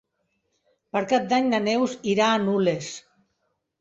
Per Cap d'Any na Neus irà a Nules.